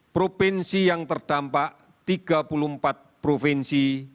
provinsi yang terdampak tiga puluh empat provinsi